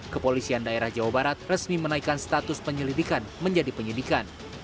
kepolisian daerah jawa barat resmi menaikkan status penyelidikan menjadi penyidikan